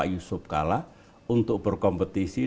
dan pak yusuf kalla untuk berkompetisi